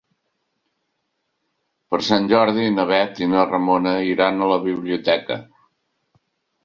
Per Sant Jordi na Bet i na Ramona iran a la biblioteca.